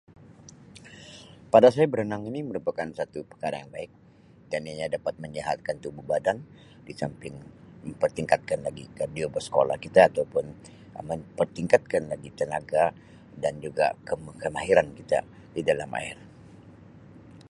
Pada saya berenang ini merupakan satu perkara yang baik dan ianya dapat menyihatkan tubuh badan disamping mempertingkatkan lagi kardiovaskolar kita ataupun Um mempertingkatkan lagi tenaga dan juga kema-kemahiran kita di dalam air.